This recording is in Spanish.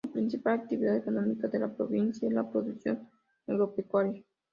La principal actividad económica de la provincia es la producción agropecuaria.